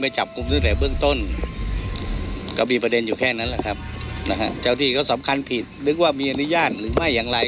เจ้าที่ก็สำคัญผิดนึกว่ามีอนุญาตหรือไม่อย่างไร